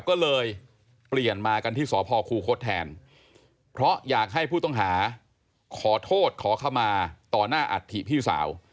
ก็เลยเปลี่ยนมากันที่สพคูคศแทนเพราะอยากให้ผู้ต้องหาขอโทษขอเข้ามาต่อหน้าอัฐิพี่สาว